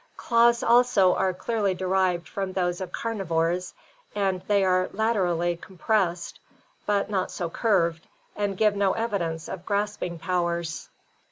Claws also are clearly derived from those of carnivores, as they are laterally compressed, but not so curved, and give no evidence of grasping powers.